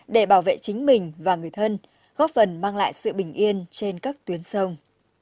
để bảo vệ chính mình và người thân góp phần mang lại sự bình yên trên các tuyến sông